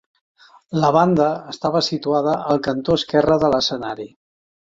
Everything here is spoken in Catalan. La banda estava situada al cantó esquerre de l'escenari.